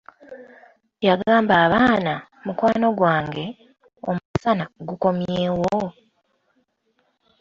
Yagamba abaana, mukwano gwange, omusana gukomyeewol!